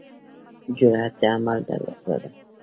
جرئت د عمل دروازه ده.